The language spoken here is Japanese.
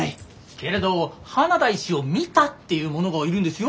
けれど花田医師を見たって言う者がいるんですよ？